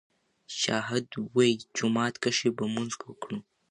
شاهد ووې جومات کښې به مونځ وکړو